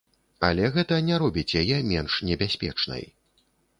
Але гэта не робіць яе менш небяспечнай.